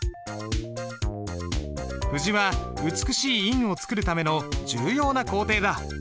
布字は美しい印を作るための重要な工程だ。